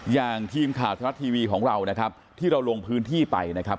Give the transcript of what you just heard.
อย่างทีมข่าวทรัฐทีวีของเรานะครับที่เราลงพื้นที่ไปนะครับ